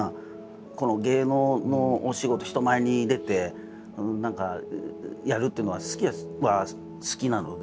この芸能のお仕事人前に出て何かやるっていうのは好きは好きなので。